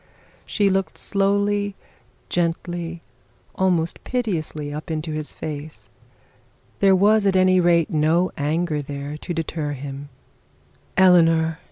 She looked slowly, gently, almost piteously up into his face. There was at any rate no anger there to deter him. 'Eleanor!'